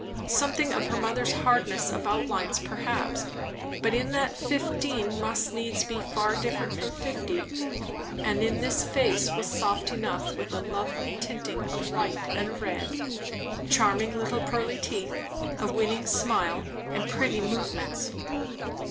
Something of her mother's hardness of outlines, perhaps; but in that fifteen must needs be far different from fifty; and this face was soft enough, with a lovely tinting of white and red, charming little pearly teeth, a winning smile, and pretty movements.